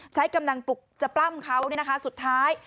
ใช้กำลังปลุกจะปั้่ำเขาเนี่ยนะคะสุดท้าย